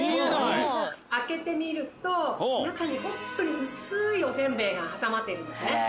開けてみると中にホントに薄いおせんべいが挟まっているんですね。